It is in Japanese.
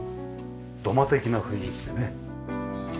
土間的な雰囲気でね。